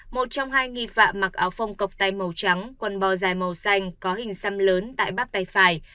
một trong hai nghi phạm mặc áo phông cọc tay màu trắng quần bò dài màu xanh có hình xăm lớn tại bát tay phải